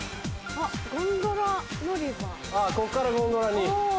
あっこっからゴンドラに。